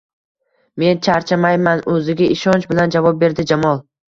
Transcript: Men charchamayman, o`ziga ishonch bilan javob berdi Jamol